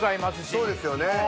まあそうですね。